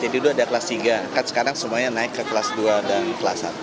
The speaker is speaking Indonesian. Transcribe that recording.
jadi dulu ada kelas tiga sekarang semuanya naik ke kelas dua dan kelas satu